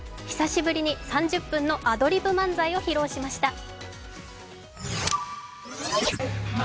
久しぶりに３０分のアドリブ漫才を披露しました。